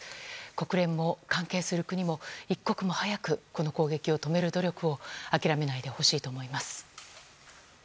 国連も関係する国も一刻も早くこの攻撃を止める努力を諦めないでほしいと思います。